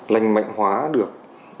lành mạnh hóa được